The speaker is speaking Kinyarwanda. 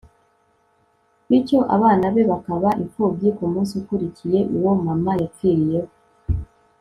bityo abana be bakaba imfubyi Ku munsi ukurikiye uwo mama yapfiriyeho